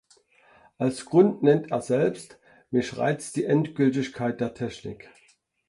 Als Grund nennt er selbst: "„Mich reizt die Endgültigkeit der Technik.